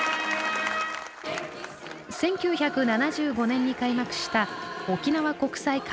１９７５年に開幕した沖縄国際海洋博覧会。